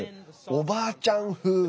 おばあちゃん風。